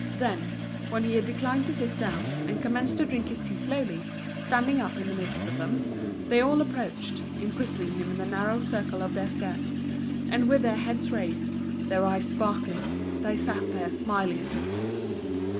Then, when he had declined to sit down, and commenced to drink his tea slowly, standing up in the midst of them, they all approached, imprisoning him in the narrow circle of their skirts; and with their heads raised, their eyes sparkling, they sat there smiling at him.